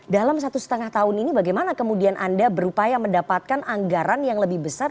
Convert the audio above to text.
dalam satu setengah tahun ini bagaimana kemudian anda berupaya mendapatkan anggaran yang lebih besar